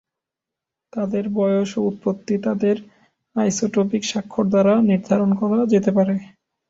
তাদের বয়স ও উৎপত্তি তাদের আইসোটোপিক স্বাক্ষর দ্বারা নির্ধারণ করা যেতে পারে।